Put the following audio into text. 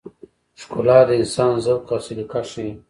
ښکلا د انسان ذوق او سلیقه ښيي.